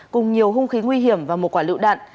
cùng nhiều hung khí nguy hiểm và một quả lựu đạn